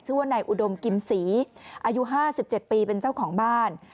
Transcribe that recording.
ว่านายอุดมกิมศรีอายุ๕๗ปีเป็นเจ้าของบ้าน